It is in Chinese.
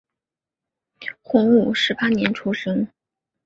洪武十八年出生。